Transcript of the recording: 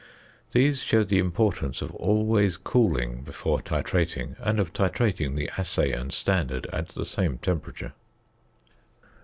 These show the importance of always cooling before titrating, and of titrating the assay and standard at the same temperature.